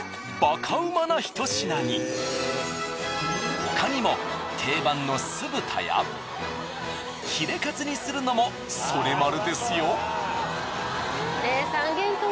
これで他にも定番の酢豚やヒレカツにするのもソレマルですよ。